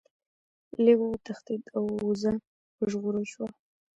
لیوه وتښتید او وزه وژغورل شوه.